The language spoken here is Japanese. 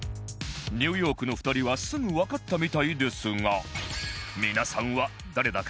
ニューヨークの２人はすぐわかったみたいですが